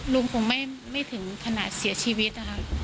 ลุงคงไม่ถึงขนาดเสียชีวิต